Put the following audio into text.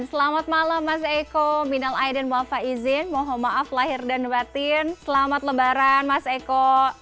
selamat malam mas eko minal aidin wafa izin mohon maaf lahir dan batin selamat lebaran mas eko